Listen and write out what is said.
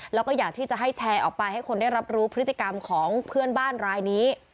แล้วก็อยากที่จะให้แชร์ออกไปให้คนได้รับรู้พฤติกรรมของเพื่อนบ้านรายนี้